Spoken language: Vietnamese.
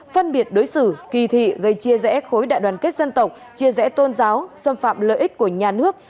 phân biệt đối xử kỳ thị gây chia rẽ khối đại đoàn kết dân tộc chia rẽ tôn giáo xâm phạm lợi ích của nhà nước